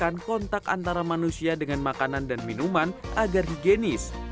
dan memperkenalkan kontak antara manusia dengan makanan dan minuman agar higienis